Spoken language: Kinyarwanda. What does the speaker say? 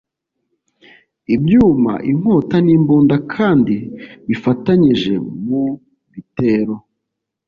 ibyuma inkota n imbunda kandi bifatanyije mu bitero